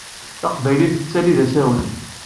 Taqbaylit tettali d asawen!